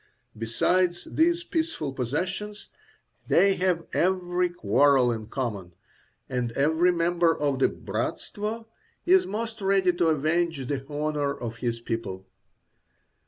Besides these peaceful possessions, they have every quarrel in common, and every member of the bratstvo is most ready to avenge the honour of his people.